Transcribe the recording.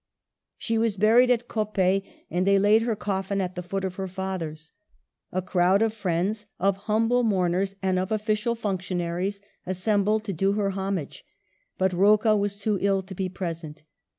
She was buried at Coppet, and they laid her coffin at the foot of her father's. A crowd of friends, of humble mourners, and of official functionaries, assembled to do her homage ; but Rocca was too ill to be present.